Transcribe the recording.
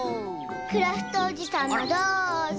クラフトおじさんもどうぞ！